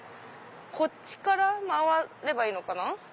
こっちから回ればいいのかな。